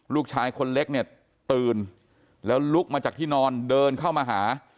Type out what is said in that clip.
ลูกชายคนเล็กเนี่ยตื่นแล้วลุกมาจากที่นอนเดินเข้ามาหา